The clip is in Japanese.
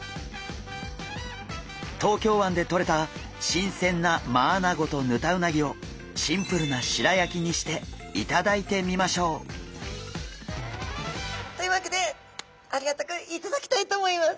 東京湾でとれたしんせんなマアナゴとヌタウナギをシンプルな白焼きにして頂いてみましょう！というわけでありがたく頂きたいと思います。